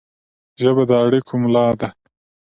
ژبه د اړیکو ملا ده